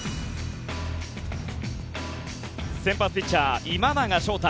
先発ピッチャー、今永昇太。